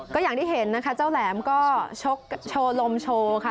ก็อย่างที่เห็นนะคะเจ้าแหลมก็ชกโชว์ลมโชว์ค่ะ